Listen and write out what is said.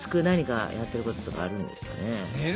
なにかやってることとかあるんですかね？